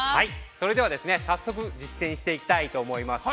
◆それでは、早速実践していきたいと思います。